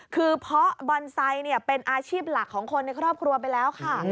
คือเพราะบอนไซค์เป็นอาชีพหลักของคนในครอบครัวไปแล้วค่ะ